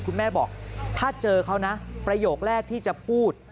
คุณแม่บอกถ้าเจอเขานะประโยคแรกที่จะพูด